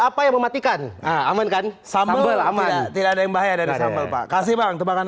apa yang mematikan aman kan sambal aman tidak ada yang bahaya dari sambal pak kasih bang tebakan